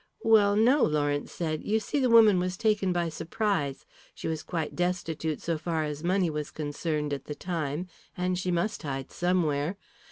"Well, no," Lawrence said. "You see, the woman was taken by surprise, she was quite destitute so far as money was concerned at the time, and she must hide somewhere.